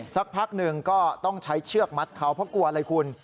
สักพักหนึ่งก็ต้องใช้เชือกมัดเขาเพราะกลัวอะไรคุณ